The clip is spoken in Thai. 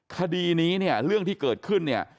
คดีนี้เนี่ยเรื่องที่เกิดขึ้นเนี่ย